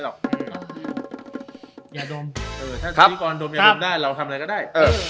ถ้าทีกว่าอะหยืมหยืมอย่าหยืมได้เราทำอะไรก็ได้